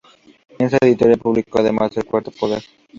En esta editorial publicó además "El cuarto poder.